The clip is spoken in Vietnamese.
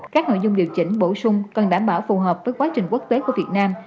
các nội dung điều chỉnh bổ sung cần đảm bảo phù hợp với quá trình quốc tế của việt nam